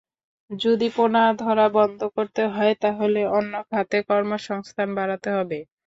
যদি পোনা ধরা বন্ধ করতে হয়, তাহলে অন্য খাতে কর্মসংস্থান বাড়াতে হবে।